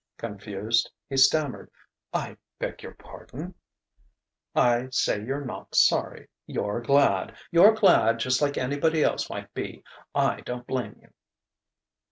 Confused, he stammered: "I beg your pardon !" "I say you're not sorry. You're glad. You're glad, just like anybody else might be. I don't blame you."